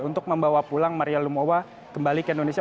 untuk membawa pulang maria lumowa kembali ke indonesia